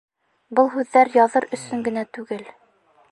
Был һүҙҙәр яҙыр өсөн генә түгел.